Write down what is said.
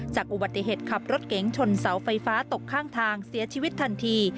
จากอุบัติเหตุขับรถเก๋งชนเสาไฟฟ้าตกข้างทางเสียชีวิตทันที